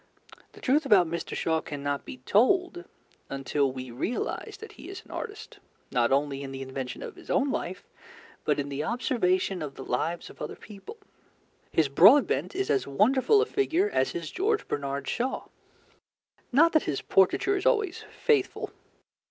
The truth about Mt. Shaw cannot be told until we realize that he is an artist, not only in the invention of his own life, but in the observation of the lives of other people. His Broadbent is as wonderful a figure as his George Bernard Shaw. Not that his portraiture is always faithful.